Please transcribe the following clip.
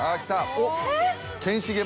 おっ！